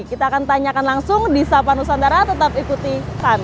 kita akan tanyakan langsung di sapa nusantara tetap ikuti kami